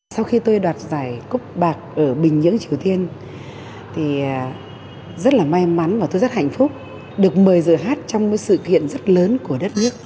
sau khi tôi đoạt giải cúc bạc ở bình nhưỡng triều tiên thì rất là may mắn và tôi rất hạnh phúc được mời giờ hát trong sự kiện rất lớn của đất nước